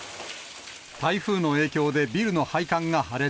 台風の影響でビルの配管が破裂。